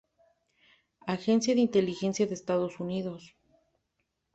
Agencia de inteligencia de Estados Unidos.